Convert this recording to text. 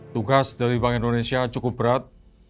tugas dari bank indonesia cukup berat